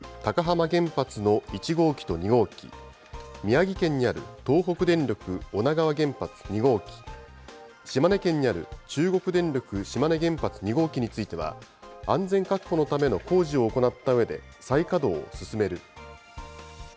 具体的には、福井県にある関西電力高浜原発の１号機と２号機、宮城県にある東北電力女川原発２号機、島根県にある中国電力島根原発２号機については、安全確保のための工事を行ったうえで、再稼働を進める。